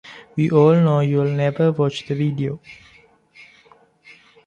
We all know you'll never watch the video.